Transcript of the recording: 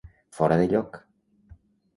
Fora de lloc.